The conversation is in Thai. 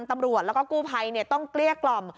ตำรวจแล้วก็กู้ภัยเนี่ยต้องเรียกกล่อม